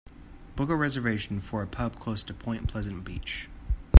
Book a reservation for a pub close to Point Pleasant Beach